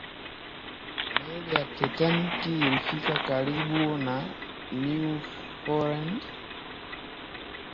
meli ya titanic ilifika karibu na newfoundland